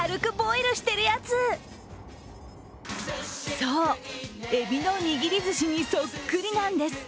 そう、えびの握りずしにそっくりなんです。